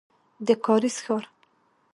د کارېز ښار.